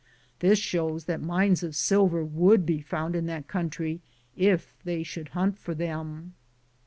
This shows that mines of silver would be found in that country if they should hunt for them.